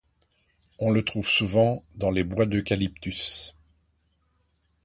On le trouve souvent dans les bois d'eucalyptus.